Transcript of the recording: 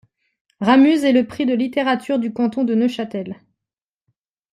Ramuz et le Prix de littérature du canton de Neuchâtel.